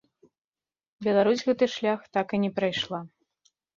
Беларусь гэты шлях так і не прайшла.